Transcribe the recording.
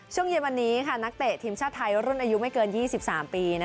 ช่วงเย็นวันนี้นักเตะทีมชาติไทยรุ่นอายุไม่เกิน๒๓ปี